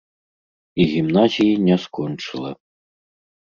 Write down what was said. І гімназіі не скончыла.